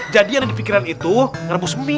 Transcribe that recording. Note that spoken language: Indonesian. jadi ada di pikiran itu rebus mie